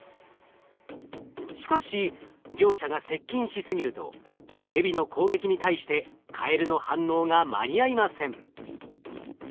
しかし両者が接近しすぎるとヘビの攻撃に対してカエルの反応が間に合いません。